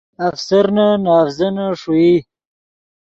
افسرنے نے اڤزینے ݰوئی